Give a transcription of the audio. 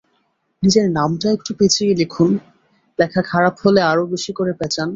নিজের নামটা একটু পেঁচিয়ে লিখুন, লেখা খারাপ হলে আরও বেশি করে প্যাঁচান।